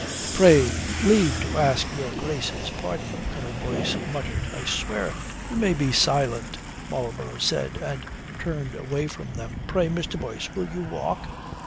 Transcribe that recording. "Pray leave to ask your Grace's pardon," Colonel Boyce muttered. "I swear " "You may be silent," Marlborough said, and turned away from them. "Pray, Mr. Boyce, will you walk?"